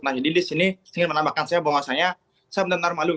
nah jadi disini saya ingin menambahkan bahwasanya saya benar benar malu